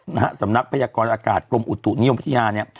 นะฮะสำนักพยากรอากาศกรมอุตุนิยมวิทยาเนี่ย